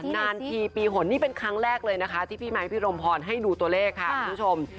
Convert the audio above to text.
นานทีปีหนนี่เป็นครั้งแรกเลยนะคะที่พี่ไมค์พี่รมพรให้ดูตัวเลขค่ะคุณผู้ชม